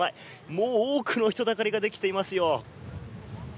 もう多くの人だかりができていますよ。